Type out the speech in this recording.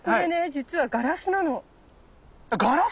実はガラスなの。